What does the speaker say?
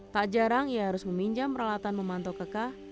tak jarang ia harus meminjam peralatan memantau keka